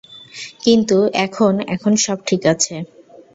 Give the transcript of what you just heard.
কিন্তু এখন এখন সব ঠিক আছে।